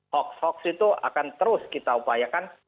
hoax hoax itu akan terus kita upayakan